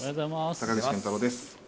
坂口健太郎です。